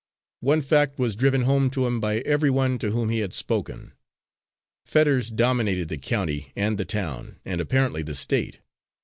One fact was driven home to him by every one to whom he had spoken. Fetters dominated the county and the town, and apparently the State.